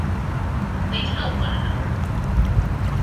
They tell one another.